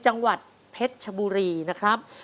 จังหวัดเพชรชบุรีนะครับ